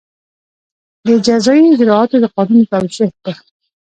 د جزایي اجراآتو د قانون د توشېح په